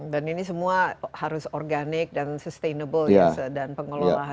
dan ini semua harus organik dan sustainable ya dan pengelolaannya